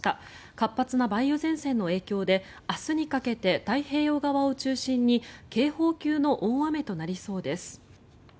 活発な梅雨前線の影響で明日にかけて太平洋側を中心に警報級の大雨となりそうです。